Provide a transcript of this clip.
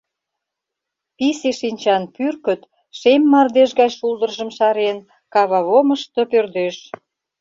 Писе шинчан пӱркыт, шем мардеж гай шулдыржым шарен, кававомышто пӧрдеш.